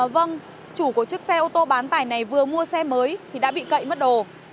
vâng chủ của chiếc xe ô tô bán tải này vừa mua xe mới thì đã bị cậy mất đồ